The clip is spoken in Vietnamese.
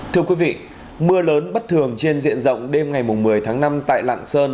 thưa quý vị mưa lớn bất thường trên diện rộng đêm ngày một mươi tháng năm tại lạng sơn